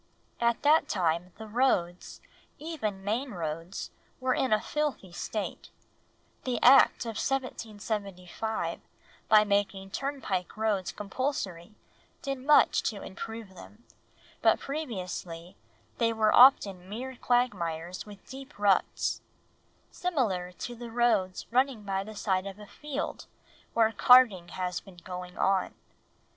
At that time the roads, even main roads, were in a filthy state; the Act of 1775, by making turnpike roads compulsory, did much to improve them, but previously they were often mere quagmires with deep ruts, similar to the roads running by the side of a field where carting has been going on.